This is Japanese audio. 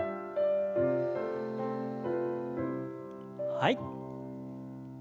はい。